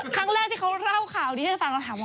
ครั้งแรกที่เขาเล่าข่าวที่ฉันฟังเราถามว่า